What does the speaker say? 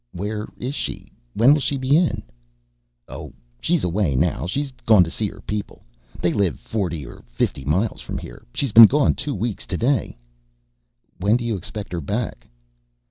"Where is she? When will she be in?" "Oh, she's away now. She's gone to see her people. They live forty or fifty miles from here. She's been gone two weeks today." "When do you expect her back?"